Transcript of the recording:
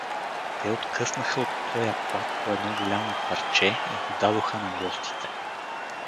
Те откъснаха от тоя плат по едно голямо парче и го дадоха на гостите.